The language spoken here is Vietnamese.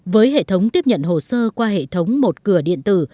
với hệ thống tiếp nhận hồ sơ qua hệ thống một cửa điện tử